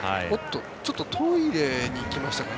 ちょっとトイレに行きましたかね。